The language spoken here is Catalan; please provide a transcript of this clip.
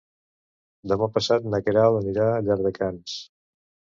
Demà passat na Queralt anirà a Llardecans.